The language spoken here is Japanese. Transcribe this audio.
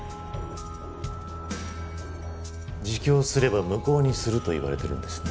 自供すれば無効にすると言われてるんですね？